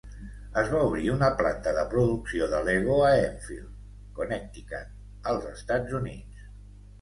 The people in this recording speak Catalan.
Es va obrir una planta de producció de Lego a Enfield, Connecticut, als Estats Units.